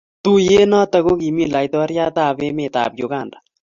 Tuyet noto kokimi laitoriat ab emet ab Uganda